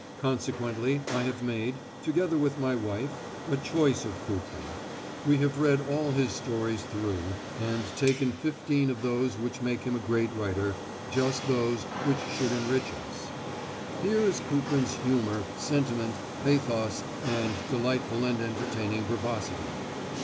Consequently I have made, together with my wife, a choice of Kuprin. We have read all his stories through and taken fifteen of those which make him a great writer, just those which should enrich us. Here is Kuprin's humour, sentiment, pathos, and delightful and entertaining verbosity.